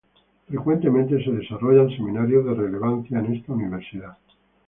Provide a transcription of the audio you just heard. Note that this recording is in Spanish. Frecuentemente se desarrollan seminarios de relevancia en esta universidad.